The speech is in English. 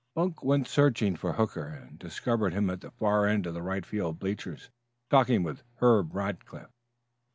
Bunk went searching for Hooker, and discovered him at the far end of the right field bleachers, talking with Herbert Rackliff.